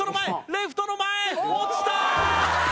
レフトの前落ちたー！